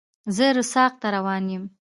زه رُستاق ته روان یم.